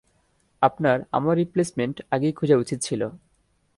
আপনার আমার রিপ্লেইসমেন্ট আগেই খোঁজা উচিত ছিল!